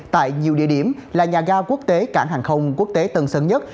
tại nhiều địa điểm là nhà ga quốc tế cảng hàng không quốc tế tân sơn nhất